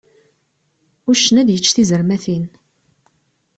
Uccen ad yečč tizermatin.